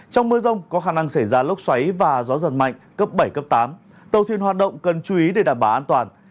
trong mưa rông có khả năng xảy ra lốc xoáy và gió giật mạnh cấp bảy cấp tám tàu thuyền hoạt động cần chú ý để đảm bảo an toàn